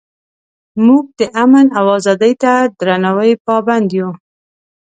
موږ د امن او ازادۍ ته درناوي پابند یو.